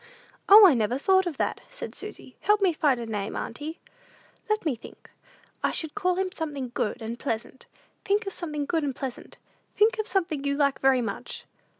"O, I never thought of that," said Susy; "help me find a name, auntie." "Let me think. I should call him something good and pleasant. Think of something good and pleasant Think of something you like very much."